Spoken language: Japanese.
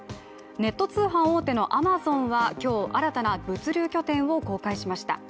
ネット通販大手のアマゾンは今日、新たな物流拠点を公開しました。